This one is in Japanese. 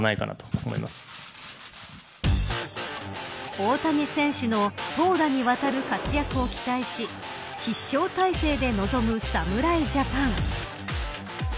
大谷選手の投打にわたる活躍を期待し必勝態勢で臨む侍ジャパン。